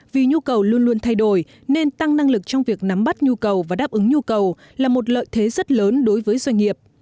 vì nhu cầu luôn luôn thay đổi nên tăng năng lực trong việc nắm bắt nhu cầu và đáp ứng nhu cầu là một lợi thế rất lớn đối với doanh nghiệp